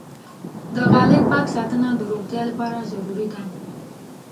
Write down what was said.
د غالۍ پاک ساتنه د روغتیا لپاره ضروري ده.